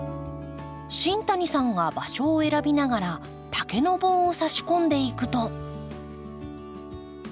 新谷さんが場所を選びながら竹の棒を差し込んでいくと。